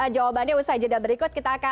jawabannya usai jeda berikut